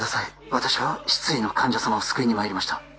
私は失意の患者様を救いにまいりました